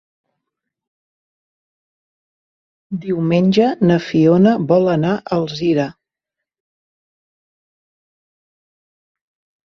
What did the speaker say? Diumenge na Fiona vol anar a Alzira.